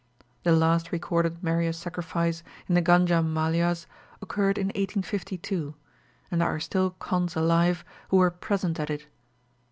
The last recorded Meriah sacrifice in the Ganjam Maliahs occurred in 1852, and there are still Kondhs alive, who were present at it.